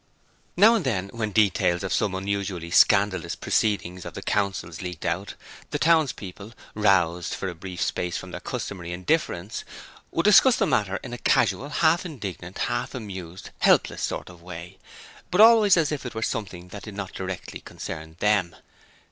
Now and then, when details of some unusually scandalous proceeding of the Council's leaked out, the townspeople roused for a brief space from their customary indifference would discuss the matter in a casual, half indignant, half amused, helpless sort of way; but always as if it were something that did not directly concern them.